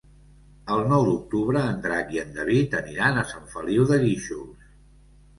El nou d'octubre en Drac i en David aniran a Sant Feliu de Guíxols.